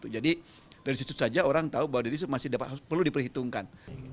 jadi dari situ saja orang tahu bahwa dedy yusuf masih perlu diperhitungkan